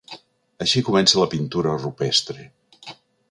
Així comença la pintura rupestre.